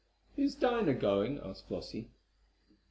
"Is Dinah going?" asked Flossie.